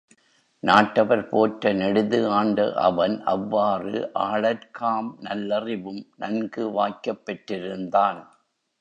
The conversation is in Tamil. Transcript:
நாட்டவர் போற்ற நெடிது ஆண்ட அவன், அவ்வாறு, ஆளற்காம் நல்லறிவும் நன்கு வாய்க்கப் பெற்றிருந்தான்.